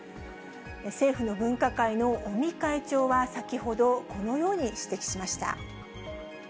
政府の分科会の尾身会長は先ほど、このように指摘しました。